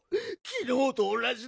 きのうとおなじ？